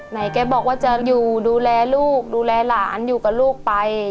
แกบอกว่าจะอยู่ดูแลลูกดูแลหลานอยู่กับลูกไป